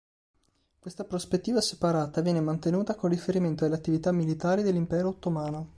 Questa "prospettiva separata" viene mantenuta con riferimento alle attività militari dell'Impero Ottomano.